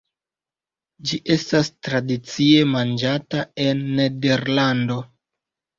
Ĝi estas tradicie manĝata en Nederlando.